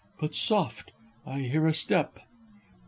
But soft, I hear a step.